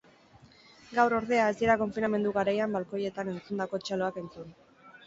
Gaur, ordea, ez dira konfinamendu garaian balkoietan entzundako txaloak entzun.